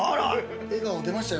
◆笑顔出ましたよ。